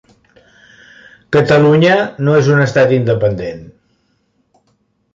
Catalunya no és un estat independent.